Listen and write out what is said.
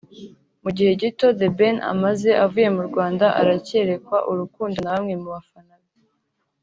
Mu gihe gito The Ben amaze avuye mu Rwanda aracyerekwa urukundo na bamwe mu bafana be